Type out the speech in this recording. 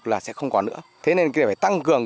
là sẽ không còn nữa thế nên cái này phải tăng cường